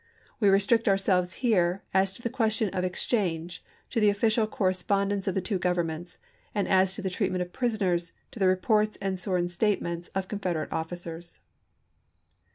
We restrict ourselves here, as to the question of exchange, to the official corre spondence of the two governments, and as to the treatment of prisoners, to the reports and sworn statements of Confederate officers.